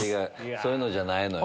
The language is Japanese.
そういうのじゃないのよ。